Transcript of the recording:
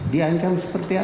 diancam seperti apa